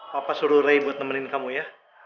papa suruh ray buat nemenin kamu ya